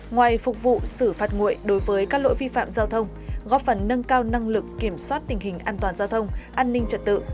ngoài phục vụ xử phạt nguội đối với các lỗi vi phạm giao thông góp phần nâng cao năng lực kiểm soát tình hình an toàn giao thông an ninh trật tự